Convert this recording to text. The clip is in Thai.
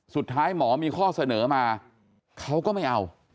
สุดท้ายหมอมีข้อเสนอมาเขาก็ไม่เอา